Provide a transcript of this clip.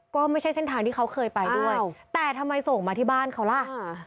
ก็ไม่ใช่เส้นทางที่เขาเคยไปด้วยแต่ทำไมส่งมาที่บ้านเขาล่ะ